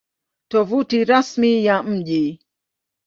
Tovuti Rasmi ya Mji